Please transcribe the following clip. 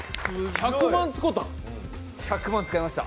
１００万、使いました。